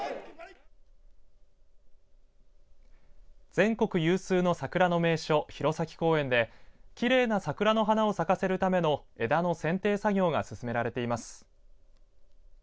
全国有数の桜の名所、弘前公園できれいな桜の花を咲かせるための枝のせんてい作業が進められています。